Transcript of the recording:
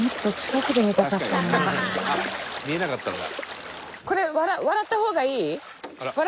見えなかったんだ。